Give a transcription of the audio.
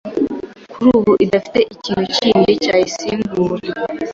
kuri ubu idafite ikintu kindi kizwi cyayisimbura.